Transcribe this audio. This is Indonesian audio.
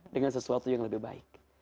dengan sesuatu yang lebih baik